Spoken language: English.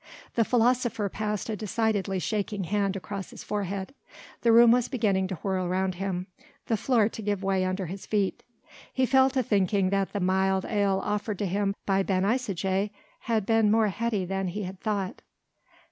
The philosopher passed a decidedly shaking hand across his forehead: the room was beginning to whirl round him, the floor to give way under his feet. He fell to thinking that the mild ale offered to him by Ben Isaje had been more heady than he had thought.